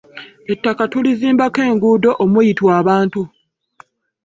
ettaka tulizimbako enguudo omuyitwa abantu